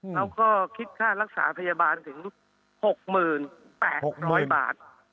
แล้วก็คิดค่ารักษาพยาบาลถึง๖๘๐๐บาท